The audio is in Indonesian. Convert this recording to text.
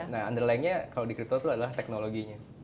nah underlyingnya kalau di crypto itu adalah teknologinya